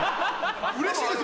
うれしいです